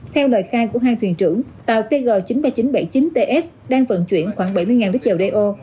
theo lời khai của hai thuyền trưởng tàu tg chín nghìn ba trăm bảy mươi chín ts đang vận chuyển khoảng bảy mươi lít dầu đeo